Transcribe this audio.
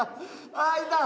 ああいた！